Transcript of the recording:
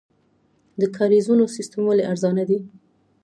د کاریزونو سیستم ولې ارزانه دی؟